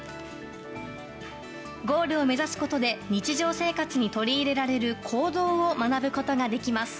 ゴールを目指すことで日常生活に取り入れられる行動を学ぶことができます。